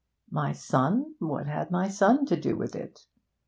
My son? What had my son to do with it?